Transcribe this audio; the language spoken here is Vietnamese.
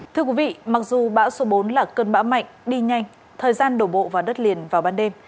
thưa quý vị mặc dù bão số bốn là cơn bão mạnh đi nhanh thời gian đổ bộ vào đất liền vào ban đêm